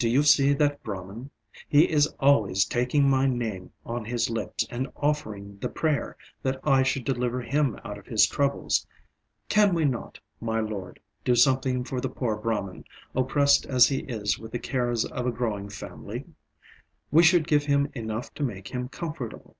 do you see that Brahman? He is always taking my name on his lips and offering the prayer that I should deliver him out of his troubles. Can we not, my lord, do something for the poor Brahman, oppressed as he is with the cares of a growing family? We should give him enough to make him comfortable.